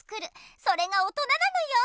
それが大人なのよ。